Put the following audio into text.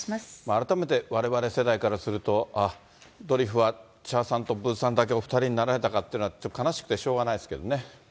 改めてわれわれ世代からすると、あっ、ドリフは茶さんとブーさんだけお２人だけになられたかって、悲しくてしょうがないです